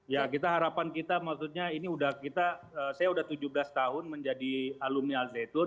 ya kita harapan kita maksudnya ini udah kita saya udah tujuh belas tahun menjadi alumni alzeitun